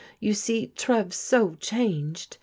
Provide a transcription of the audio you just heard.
You see Trev's so changed.